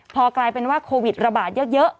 พอกลายเป็นว่าโควิดระบาดเยอะ